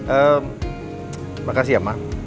ehm makasih ya ma